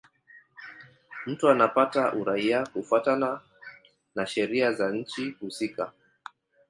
Mtu anapata uraia kufuatana na sheria za nchi husika.